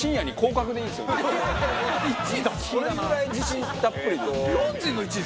それぐらい自信たっぷり。